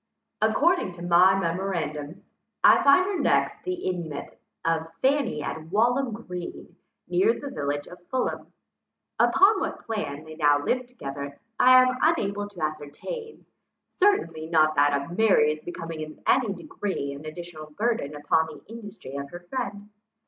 According to my memorandums, I find her next the inmate of Fanny at Walham Green, near the village of Fulham. Upon what plan they now lived together I am unable to ascertain; certainly not that of Mary's becoming in any degree an additional burthen upon the industry of her friend.